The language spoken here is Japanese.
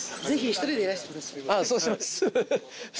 あぁそうします。